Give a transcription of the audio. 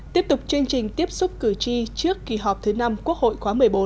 tiếp tục chương trình tiếp xúc cử tri trước kỳ họp thứ năm quốc hội khóa một mươi bốn